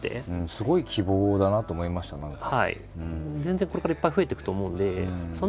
すごい希望だなと思いました何か。